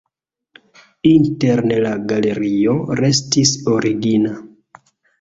Interne la galerio restis origina.